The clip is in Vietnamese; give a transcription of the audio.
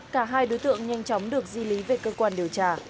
cả hai đối tượng nhanh chóng được di lý về cơ quan điều tra